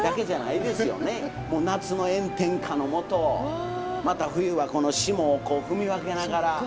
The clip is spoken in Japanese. もう夏の炎天下のもとまた冬はこのしもを踏み分けながら。